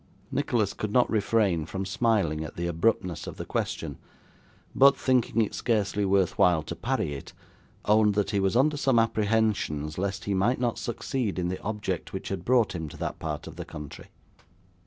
Nicholas could not refrain from smiling at the abruptness of the question; but, thinking it scarcely worth while to parry it, owned that he was under some apprehensions lest he might not succeed in the object which had brought him to that part of the country.